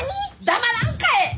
黙らんかえ！